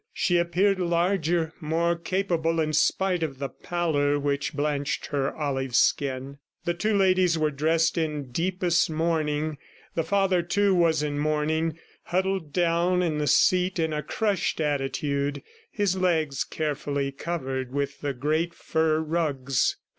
She appeared larger, more capable in spite of the pallor which blanched her olive skin. The two ladies were dressed in deepest mourning. The father, too, was in mourning, huddled down in the seat in a crushed attitude, his legs carefully covered with the great fur rugs.